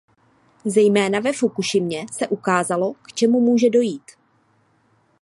Zejména ve Fukušimě se ukázalo, k čemu může dojít.